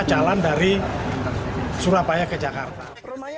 jalan dari surabaya ke jakarta